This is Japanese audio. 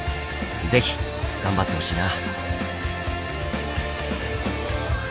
ぜひ頑張ってほしいな。